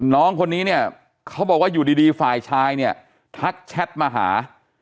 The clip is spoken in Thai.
น้องคนนี้เนี่ยเขาบอกว่าอยู่ดีฝ่ายชายเนี่ยทักแชทมาหา